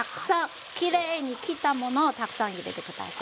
きれいに切ったものをたくさん入れて下さい。